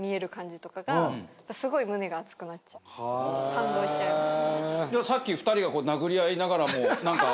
感動しちゃいます。